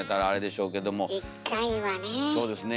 そうですね。